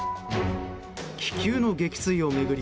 気球の撃墜を巡り